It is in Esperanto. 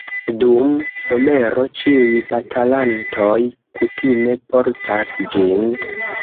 Dum somero ĉiuj batalantoj kutime portas ĝin.